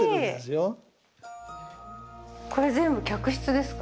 これ全部客室ですか？